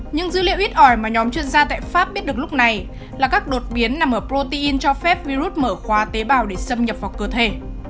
những dữ liệu ít ỏi mà nhóm chuyên gia tại pháp biết được lúc này là các đột biến nằm ở protein cho phép virus mở khoa tế bào để xâm nhập vào cơ thể